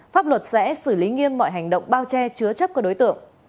pháp luật sẽ xử lý nghiêm mọi hành động bao che chứa chấp các đối tượng